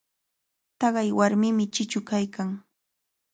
Taqay warmimi chichu kaykan.